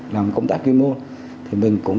làm công tác chuyên môn